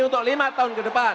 untuk lima tahun ke depan